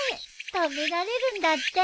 食べられるんだって。